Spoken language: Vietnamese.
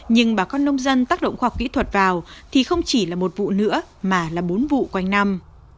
nhưng bà con nông dân tác động khoa học kỹ thuật vào thì không chỉ là một vụ nữa mà là bốn vụ quanh năm